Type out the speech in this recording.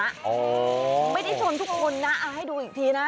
ไม่ได้ชนทุกคนนะเอาให้ดูอีกทีนะ